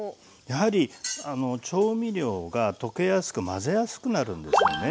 やはり調味料が溶けやすく混ぜやすくなるんですね。